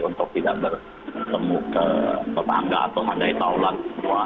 untuk tidak bertemu ke tetangga atau mengandai taulat